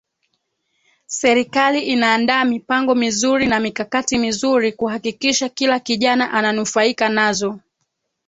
Serikali inandaa mipango mizuri na mikakati mizuri kuhakikisha kila kijana ananufaika nazo